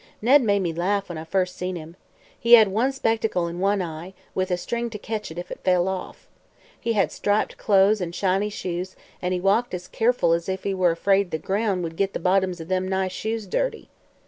Ned made me laugh when I first seen him. He had one spectacle in one eye, with a string to ketch it if it fell off. He had striped clothes an' shiny shoes an' he walked as keerful as if he was afraid the groun' would git the bottoms o' them nice shoes dirty.